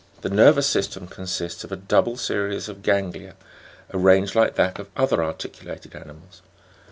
The nervous system consists of a double series of ganglia, arranged like that of other articulated animals.